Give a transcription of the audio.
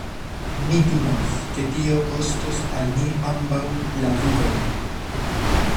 Mi timas, ke tio kostos al ni ambaŭ la vivon.